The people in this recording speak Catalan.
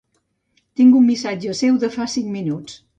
Tinc un missatge seu de fa cinc minuts.